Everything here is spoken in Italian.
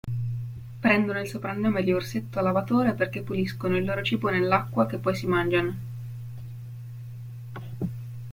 Prendono il soprannome di orsetto lavatore perché puliscono il loro cibo nell'acqua che poi si mangiano.